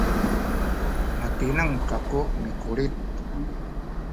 matineng kaku mikulit